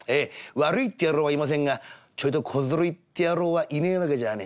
悪いって野郎はいませんがちょいと小ずるいって野郎はいねえ訳じゃねえ。